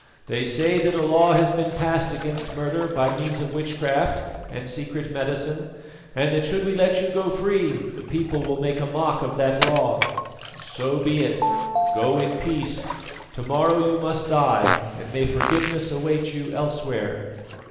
They say that a law has been passed against murder by means of witchcraft and secret medicine, and that should we let you go free, the people will make a mock of that law. So be it. Go in peace. To morrow you must die, and may forgiveness await you elsewhere."